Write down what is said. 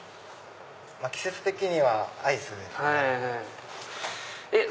季節的にはアイスかなと。